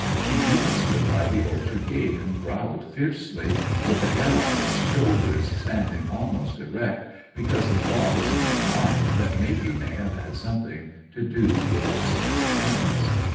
He even stood by the orchard gate and growled fiercely, with the hair on his shoulders standing almost erect, because the thought was in his mind that Matey may have had something to do with this disappearance.